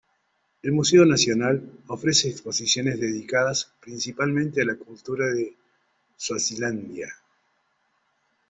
El Museo Nacional ofrece exposiciones dedicadas principalmente a la cultura de Swazilandia.